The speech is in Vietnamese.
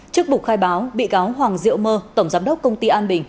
trước bục khai báo bị cáo hoàng diệu mơ tổng giám đốc công ty an bình